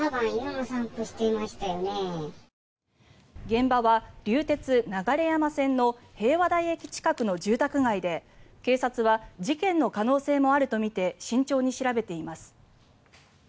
現場は流鉄流山線の平和台駅近くの住宅街で警察は事件の可能性もあるとみて慎重に調べています。